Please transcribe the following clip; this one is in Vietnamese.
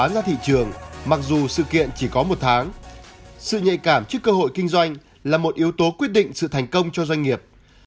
mặc dù sự kiện chỉ có một tháng sự nhạy cảm trước cơ hội kinh doanh là một yếu tố quyết định sự thành công cho doanh nghiệp